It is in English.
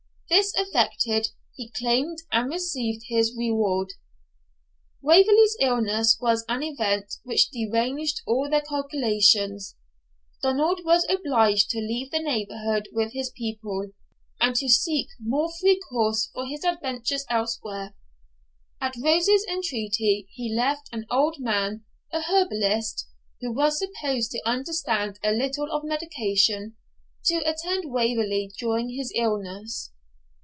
This effected, he claimed and received his reward. Waverley's illness was an event which deranged all their calculations. Donald was obliged to leave the neighbourhood with his people, and to seek more free course for his adventures elsewhere. At Rose's entreaty, he left an old man, a herbalist, who was supposed to understand a little of medicine, to attend Waverley during his illness.